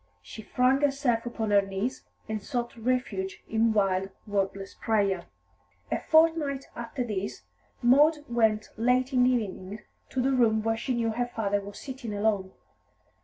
She flung herself upon her knees and sought refuge in wild, wordless prayer. A fortnight after this Maud went late in the evening to the room where she knew her father was sitting alone.